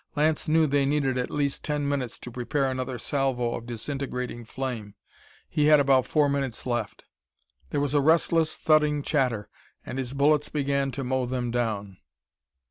Lance knew they needed at least ten minutes to prepare another salvo of disintegrating flame; he had about four minutes left. There was a restless, thudding chatter, and his bullets began to mow them down.